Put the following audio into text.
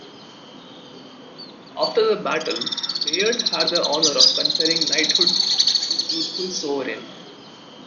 After the battle, Bayard had the honour of conferring knighthood on his youthful sovereign.